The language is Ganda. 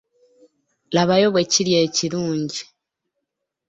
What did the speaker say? Labayo bwe kiri ekirungi.